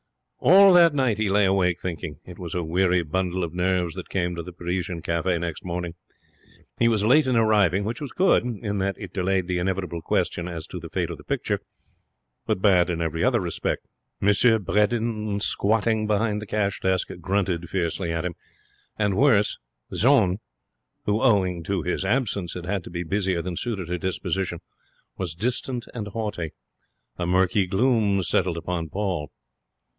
All that night he lay awake, thinking. It was a weary bundle of nerves that came to the Parisian Cafe next morning. He was late in arriving, which was good in that it delayed the inevitable question as to the fate of the picture, but bad in every other respect. M. Bredin, squatting behind the cash desk, grunted fiercely at him; and, worse, Jeanne, who, owing to his absence, had had to be busier than suited her disposition, was distant and haughty. A murky gloom settled upon Paul.